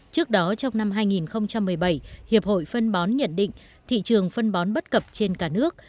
trước đó trong năm hai nghìn một mươi bảy hiệp hội phân bón nhận định thị trường phân bón bất cập trên cả nước